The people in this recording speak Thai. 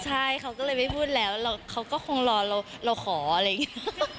ใช่เขาก็เลยไม่พูดแล้วเขาก็คงรอเราขออะไรอย่างนี้